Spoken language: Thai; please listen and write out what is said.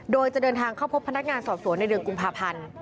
โดยจะเดินทางเข้าพบพนักงานสอบสวนในเดือนกุมภาพันธ์